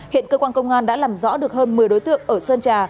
hiện cơ quan công an đã làm rõ được hơn một mươi đối tượng ở sơn trà